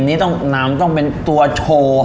กลิ่นน้ำต้องเป็นตัวโชว์